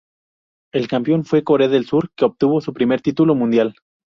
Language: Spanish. El campeón fue Corea del Sur, que obtuvo su primer título mundial.